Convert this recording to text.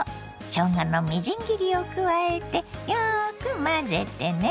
しょうがのみじん切りを加えてよく混ぜてね。